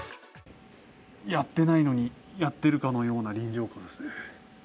やってないのに、やってるかのような臨場感ですね。